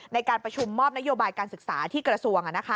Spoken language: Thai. ในการประชุมมอบนโยบายการศึกษาที่กระทรวง